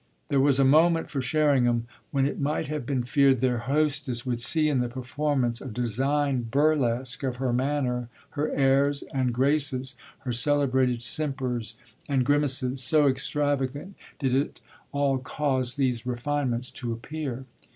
There was a moment for Sherringham when it might have been feared their hostess would see in the performance a designed burlesque of her manner, her airs and graces, her celebrated simpers and grimaces, so extravagant did it all cause these refinements to appear.